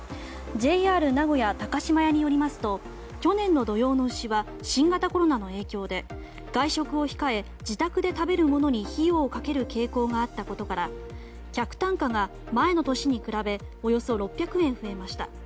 ジェイアール名古屋タカシマヤによりますと去年の土用の丑の日は新型コロナの影響で外食を控え自宅で食べるものに費用をかける傾向があったことから客単価が前の年に比べおよそ６００円増えました。